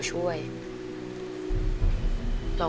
ขอบคุณครับ